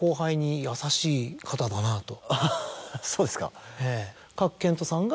あっそうですか？